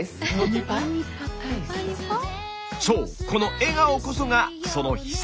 そうこの笑顔こそがその秘策！